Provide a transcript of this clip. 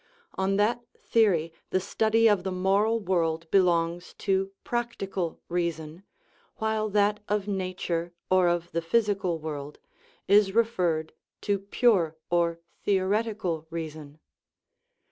On that theory the study of the moral world belongs to practical reason, while that of nature, or of the physical world, is referred to pure or theoretical reason.